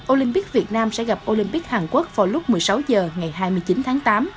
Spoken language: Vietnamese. olympic việt nam sẽ gặp olympic hàn quốc vào lúc một mươi sáu h ngày hai mươi chín tháng tám